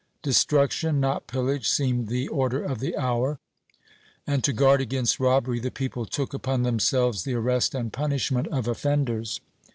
Destruction, not pillage, seemed the order of the hour, and to guard against robbery the people took upon themselves the arrest and punishment of offenders.